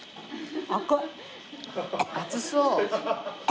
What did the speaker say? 熱そう。